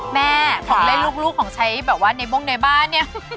แม่ของเล่นลูกของใช้ในบ้างในบ้าน